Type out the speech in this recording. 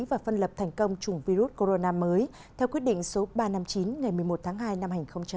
và phân lập thành công chủng virus corona mới theo quyết định số ba trăm năm mươi chín ngày một mươi một tháng hai năm hai nghìn hai mươi